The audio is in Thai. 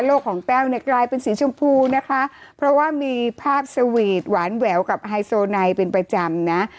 ของแต้วเนี่ยกลายเป็นสีชมพูนะคะเพราะว่ามีภาพสวีทหวานแหววกับไฮโซไนเป็นประจำนะ